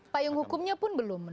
payung hukumnya pun belum